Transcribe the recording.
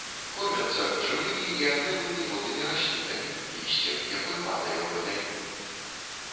Кормяцца жывымі і адмерлымі воднымі раслінамі, лісцем, якое падае ў вадаёмы.